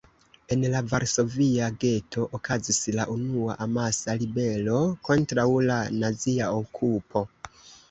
En la varsovia geto okazis la unua amasa ribelo kontraŭ la nazia okupo.